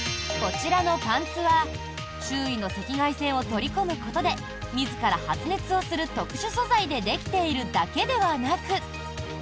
こちらのパンツは周囲の赤外線を取り込むことで自ら発熱をする特殊素材でできているだけではなく。